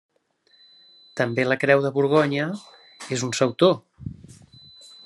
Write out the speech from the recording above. També la creu de Borgonya és un sautor.